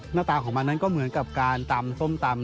หน้าตาของมันนั้นก็เหมือนกับการตำส้มตำ